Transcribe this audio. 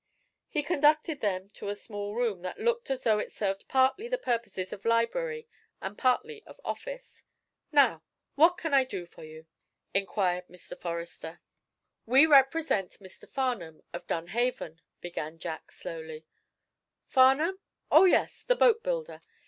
He conducted them to a small room that looked as though it served partly the purposes of library and partly of office. "Now, what can I do for you?" inquired Mr. Forrester. "We represent Mr. Farnum, of Dunhaven," began Jack, slowly. "Farnum? Oh, yes, the boat builder.